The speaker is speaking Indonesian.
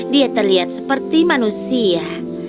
dia terlihat seperti manusia